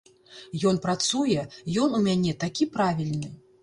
Ён працуе, ён у мяне такі правільны.